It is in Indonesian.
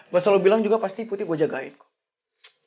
bahasa lo bilang juga pasti putri gue jagain kok